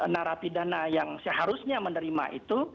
narapidana yang seharusnya menerima itu